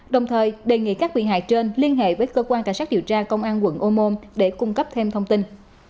đồng thời đề nghị các bị hại trên liên hệ với cơ quan cảnh sát điều tra công an quận ô môn để cung cấp thêm thông tin